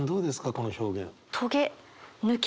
この表現。